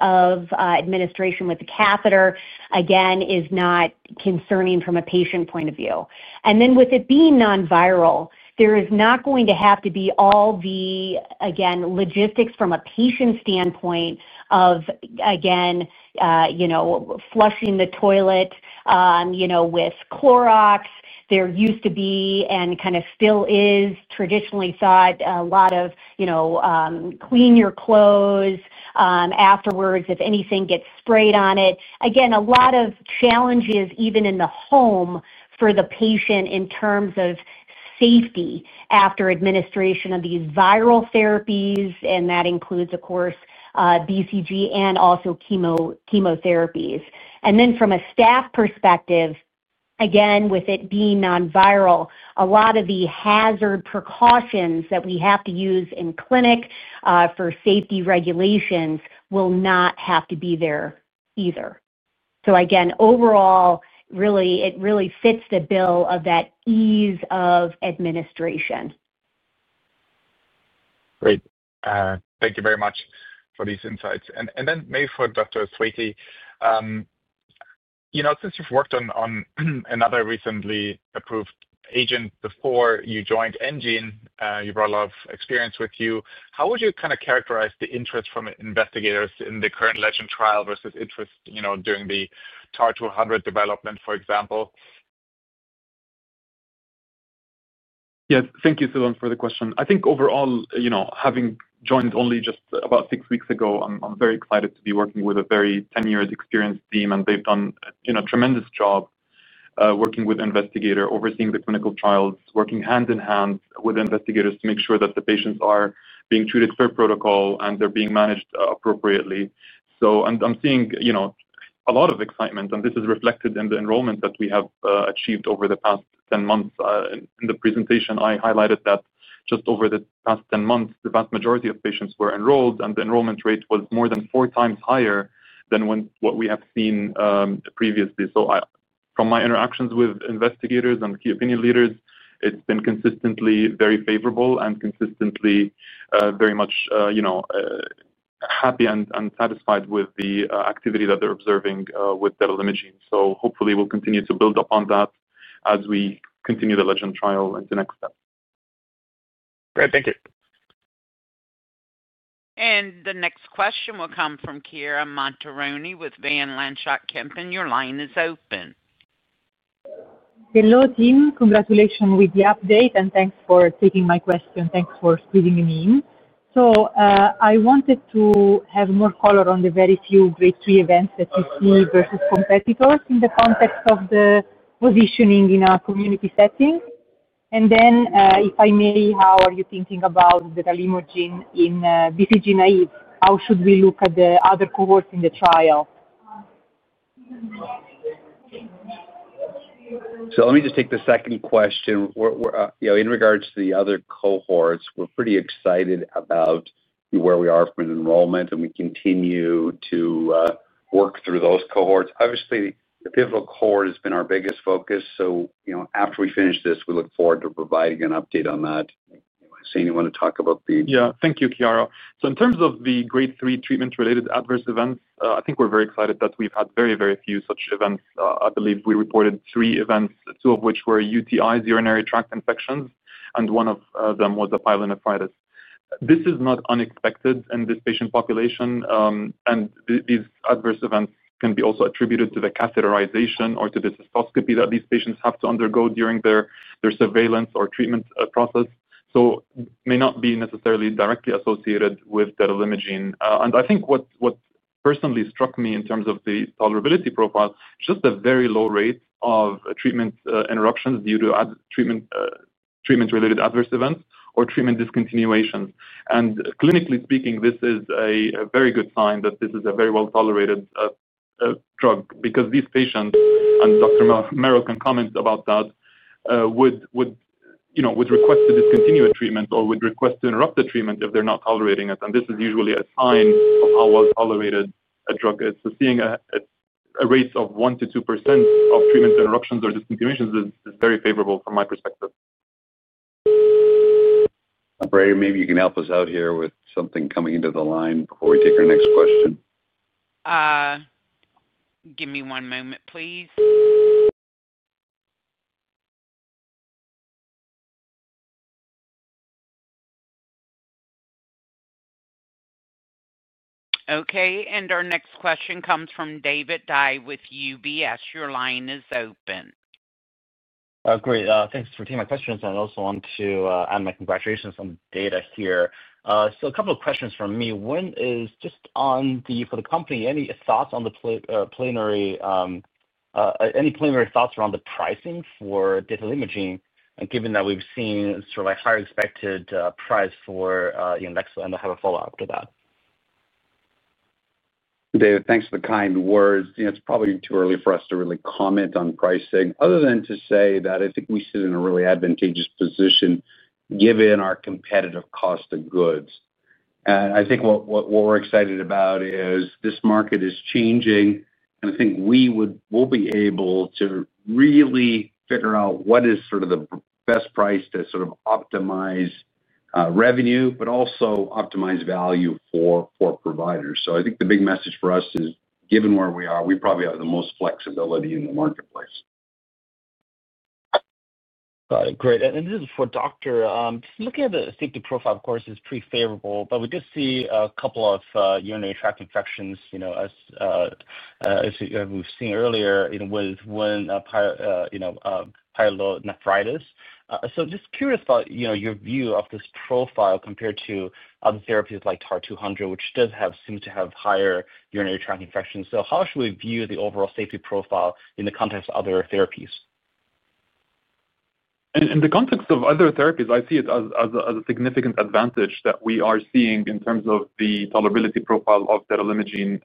of administration with the catheter, again, is not concerning from a patient point of view. With it being non-viral, there is not going to have to be all the, again, logistics from a patient standpoint of, again, flushing the toilet with Clorox. There used to be and kind of still is traditionally thought a lot of clean your clothes afterwards if anything gets sprayed on it. A lot of challenges even in the home for the patient in terms of safety after administration of these viral therapies, and that includes, of course, BCG and also chemotherapies. From a staff perspective, again, with it being non-viral, a lot of the hazard precautions that we have to use in clinic for safety regulations will not have to be there either. Overall, it really fits the bill of that ease of administration. Great. Thank you very much for these insights. Maybe for Dr. Sweiti, since you've worked on another recently approved agent before you joined enGene, you brought a lot of experience with you. How would you kind of characterize the interest from investigators in the current LEGEND trial versus interest during the TAR-200 development, for example? Yeah. Thank you, Silvan, for the question. I think overall, having joined only just about six weeks ago, I'm very excited to be working with a very tenured, experienced team, and they've done a tremendous job working with investigators, overseeing the clinical trials, working hand in hand with investigators to make sure that the patients are being treated per protocol and they're being managed appropriately. I'm seeing a lot of excitement, and this is reflected in the enrollment that we have achieved over the past 10 months. In the presentation, I highlighted that just over the past 10 months, the vast majority of patients were enrolled, and the enrollment rate was more than four times higher than what we have seen previously. From my interactions with investigators and key opinion leaders, it's been consistently very favorable and consistently very much happy and satisfied with the activity that they're observing with Detalimogene. Hopefully, we'll continue to build upon that as we continue the LEGEND trial into the next step. Great. Thank you. The next question will come from Chiara Montironi with Van Lanschot Kempen. Your line is open. Hello team. Congratulations with the update, and thanks for taking my question. Thanks for squeezing me in. I wanted to have more color on the very few grade three events that you see versus competitors in the context of the positioning in a community setting. If I may, how are you thinking about Detalimogene in BCG naive? How should we look at the other cohorts in the trial? Let me just take the second question. In regards to the other cohorts, we're pretty excited about where we are from enrollment, and we continue to work through those cohorts. Obviously, the pivotal cohort has been our biggest focus. After we finish this, we look forward to providing an update on that. Anyone want to talk about the— Yeah. Thank you, Chiara. In terms of the grade 3 treatment-related adverse events, I think we're very excited that we've had very, very few such events. I believe we reported three events, two of which were UTIs, urinary tract infections, and one of them was a pyelonephritis. This is not unexpected in this patient population, and these adverse events can be also attributed to the catheterization or to the cystoscopy that these patients have to undergo during their surveillance or treatment process. It may not be necessarily directly associated with Detalimogene. I think what personally struck me in terms of the tolerability profile is just a very low rate of treatment interruptions due to treatment-related adverse events or treatment discontinuations. Clinically speaking, this is a very good sign that this is a very well-tolerated drug because these patients—and Dr. Merrill can comment about that—would request to discontinue a treatment or would request to interrupt the treatment if they're not tolerating it. This is usually a sign of how well-tolerated a drug is. Seeing a rate of 1-2% of treatment interruptions or discontinuations is very favorable from my perspective. I'm afraid maybe you can help us out here with something coming into the line before we take our next question. Give me one moment, please. Okay. Our next question comes from David Dai with UBS. Your line is open. Great. Thanks for taking my questions. I also want to add my congratulations on the data here. A couple of questions from me. One is just for the company, any thoughts on the plenary—any plenary thoughts around the pricing for Detalimogene, given that we've seen sort of a higher expected price for INLEXZO? I have a follow-up to that. David, thanks for the kind words. It's probably too early for us to really comment on pricing other than to say that I think we sit in a really advantageous position given our competitive cost of goods. I think what we're excited about is this market is changing, and I think we will be able to really figure out what is sort of the best price to sort of optimize revenue, but also optimize value for providers. I think the big message for us is, given where we are, we probably have the most flexibility in the marketplace. Got it. Great. This is for Doctor. Looking at the safety profile, of course, is pretty favorable, but we did see a couple of urinary tract infections, as we've seen earlier, with one pyelonephritis. Just curious about your view of this profile compared to other therapies like TAR-200, which does seem to have higher urinary tract infections. How should we view the overall safety profile in the context of other therapies? In the context of other therapies, I see it as a significant advantage that we are seeing in terms of the tolerability profile of Detalimogene.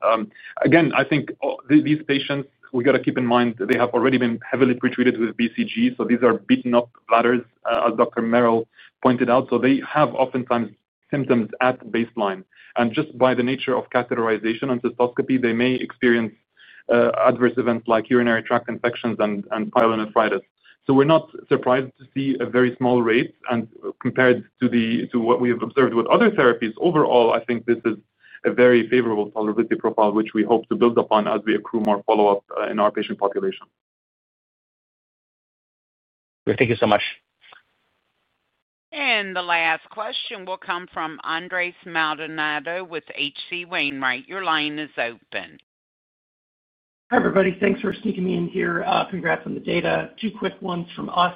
Again, I think these patients, we got to keep in mind they have already been heavily pretreated with BCG, so these are beaten-up bladders, as Dr. Merrill pointed out. They have oftentimes symptoms at baseline. Just by the nature of catheterization and cystoscopy, they may experience adverse events like urinary tract infections and pyelonephritis. We are not surprised to see a very small rate. Compared to what we have observed with other therapies, overall, I think this is a very favorable tolerability profile, which we hope to build upon as we accrue more follow-up in our patient population. Thank you so much. The last question will come from Andres Maldonado with H.C. Wainwright. Your line is open. Hi, everybody. Thanks for sneaking me in here. Congrats on the data. Two quick ones from us.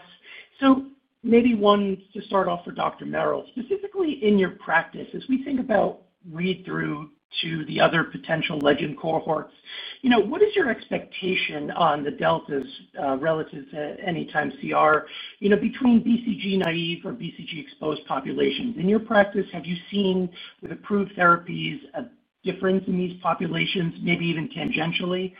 Maybe one to start off for Dr. Merrill. Specifically in your practice, as we think about read-through to the other potential LEGEND cohorts, what is your expectation on the deltas relative to any time CR between BCG naive or BCG exposed populations? In your practice, have you seen with approved therapies a difference in these populations, maybe even tangentially?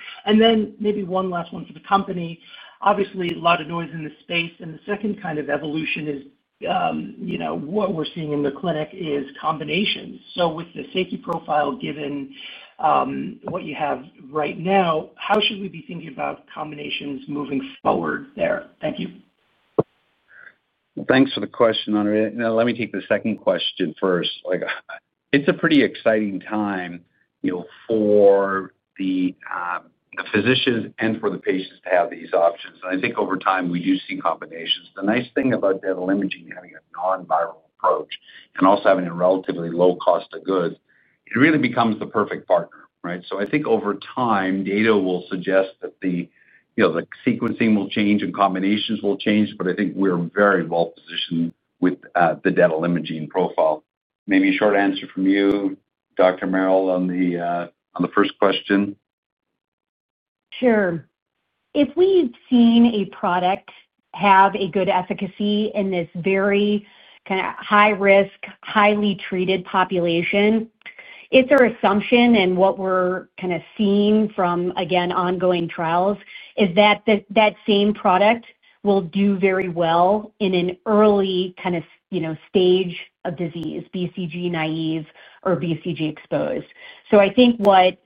One last one for the company. Obviously, a lot of noise in the space. The second kind of evolution is what we are seeing in the clinic is combinations. With the safety profile given what you have right now, how should we be thinking about combinations moving forward there? Thank you. Thanks for the question, Andres. Let me take the second question first. It's a pretty exciting time for the physicians and for the patients to have these options. I think over time, we do see combinations. The nice thing about Detalimogene, having a non-viral approach and also having a relatively low cost of goods, it really becomes the perfect partner, right? I think over time, data will suggest that the sequencing will change and combinations will change, but I think we're very well-positioned with the Detalimogene profile. Maybe a short answer from you, Dr. Merrill, on the first question. Sure. If we've seen a product have a good efficacy in this very kind of high-risk, highly treated population, it's our assumption and what we're kind of seeing from, again, ongoing trials, is that that same product will do very well in an early kind of stage of disease, BCG naive or BCG exposed. I think what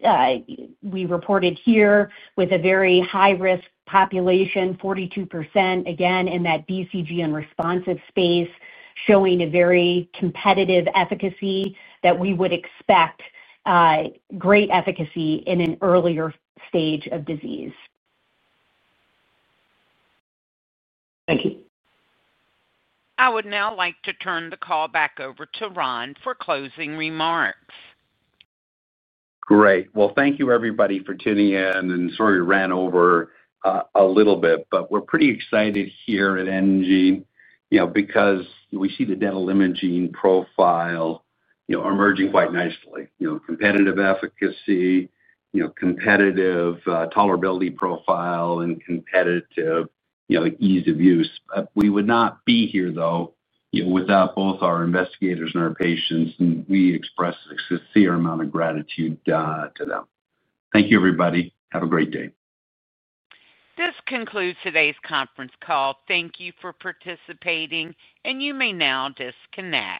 we reported here with a very high-risk population, 42%, again, in that BCG unresponsive space, showing a very competitive efficacy that we would expect great efficacy in an earlier stage of disease. Thank you. I would now like to turn the call back over to Ron for closing remarks. Thank you, everybody, for tuning in. Sorry we ran over a little bit, but we're pretty excited here at enGene because we see the Detalimogene profile emerging quite nicely: competitive efficacy, competitive tolerability profile, and competitive ease of use. We would not be here, though, without both our investigators and our patients, and we express a severe amount of gratitude to them. Thank you, everybody. Have a great day. This concludes today's conference call. Thank you for participating, and you may now disconnect.